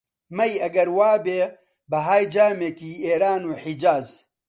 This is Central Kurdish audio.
مەی ئەگەر وا بێ بەهای جامێکی، ئێران و حیجاز